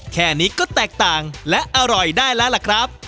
แค่นี้ก็แตกต่างและอร่อยได้แล้วล่ะครับ